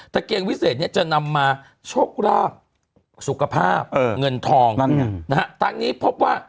ตะเกียงวิเศษจะนำมาโชคราบสุขภาพเงินทองทางนี้พบว่า